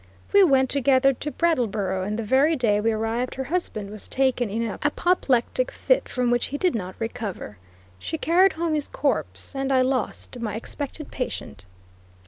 We went together to Brattleboro, and the very day we arrived her husband was taken in an apoplectic fit from which he did not recover. She carried home his corpse, and I lost my expected patient.